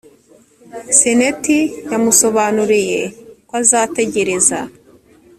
senete yamusobanuriye ko azategereza